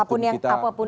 apapun yang apapun